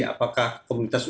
apakah komunitas umum